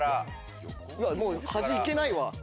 もう端行けないわ。